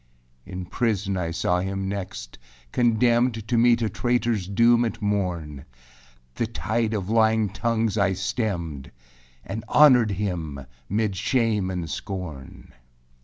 6. In prisân I saw him next, condemned To meet a traitorâs doom at morn. The tide of lying tongues I stemmed, And honored him âmid shame and scorn.